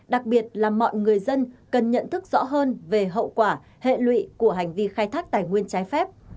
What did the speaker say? đặc biệt là mọi người dân cần nhận thức rõ hơn về hậu quả hệ lụy của hành vi khai thác tài nguyên trái phép